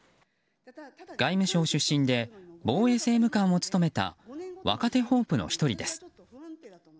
外務省出身で防衛政務官を務めた若手ホープの１人です。